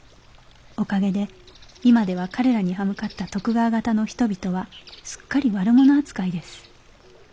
おかげで今では彼らに刃向かった徳川方の人々はすっかり悪者扱いです